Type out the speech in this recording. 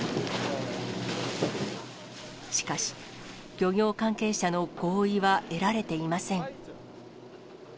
しかし、漁業関係者の合意は得られていません。